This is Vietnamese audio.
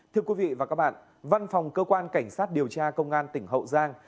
thưa quý vị và các bạn văn phòng cơ quan cảnh sát điều tra công an tỉnh hậu giang